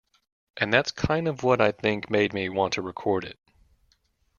And that's kind of what I think made me want to record it.